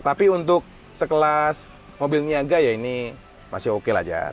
tapi untuk sekelas mobil niaga ya ini masih oke lajar